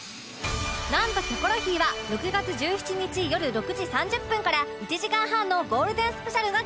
なんと『キョコロヒー』は６月１７日よる６時３０分から１時間半のゴールデンスペシャルが決定！